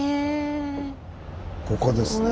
ここですね。